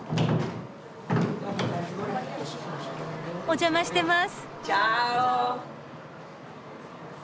お邪魔してます。